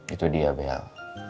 itu dia bel